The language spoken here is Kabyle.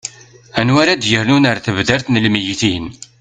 anwa ara d-yernun ar tebdart n lmeyytin